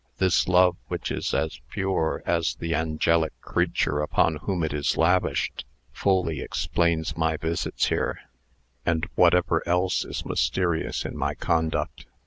This love, which is as pure as the angelic creature upon whom it is lavished, fully explains my visits here, and whatever else is mysterious in my conduct.